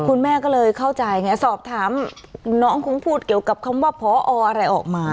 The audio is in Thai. คุณแม่ก็เลยเข้าใจไงสอบถามน้องคงพูดเกี่ยวกับคำว่าพออะไรออกมา